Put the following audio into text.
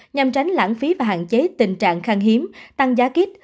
nhằm tránh lãng phí và hạn chế tình trạng khăn hiếm tăng giá kit